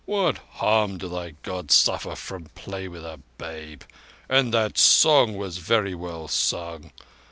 What harm do thy Gods suffer from play with a babe? And that song was very well sung.